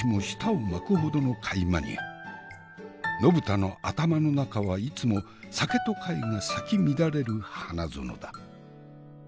延田の頭の中はいつも酒と貝が咲き乱れる花園だ。